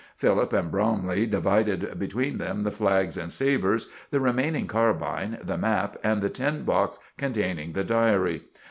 Philip and Bromley divided between them the flags and sabers, the remaining carbine, the map, and the tin box containing the diary.